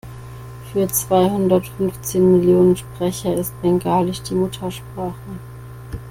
Für zweihundert-fünfzehn Millionen Sprecher ist Bengalisch die Muttersprache.